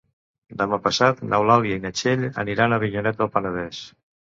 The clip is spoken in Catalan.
Demà passat n'Eulàlia i na Txell aniran a Avinyonet del Penedès.